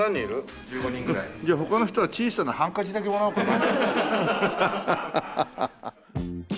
じゃあ他の人は小さなハンカチだけもらおうかな。